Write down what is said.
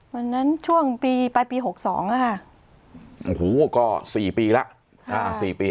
วันนั้นช่วงปีปลายปีหกสองอ่ะค่ะโอ้โหก็๔ปีแล้ว๔ปี